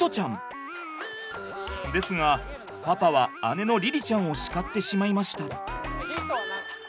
ですがパパは姉の凛々ちゃんを叱ってしまいました。